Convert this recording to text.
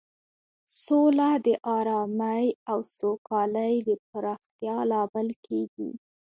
سوله د ارامۍ او سوکالۍ د پراختیا لامل کیږي.